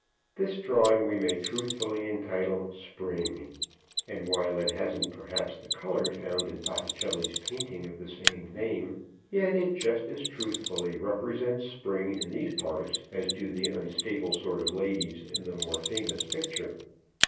This drawing we may truthfully entitle "Spring," and while it hasn't perhaps the color found in Botticelli's painting of the same name, yet it just as truthfully represents Spring in these parts as do the unstable sort of ladies in the more famous picture.